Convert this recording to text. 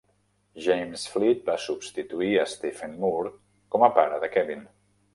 James Fleet va substituir a Stephen Moore com a pare de Kevin.